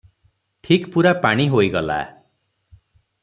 ଠିକ୍ ପୂରା ପାଣି ବି ହୋଇଗଲା ।